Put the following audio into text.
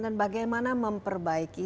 dan bagaimana memperbaiki